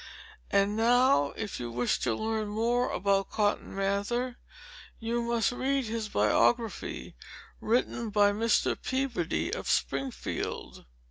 And now, if you wish to learn more about Cotton Mather, you must read his biography, written by Mr. Peabody, of Springfield.